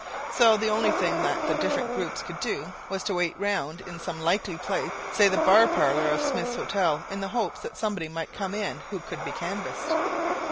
So the only thing that the different groups could do was to wait round in some likely place say the bar parlour of Smith's Hotel in the hope that somebody might come in who could be canvassed.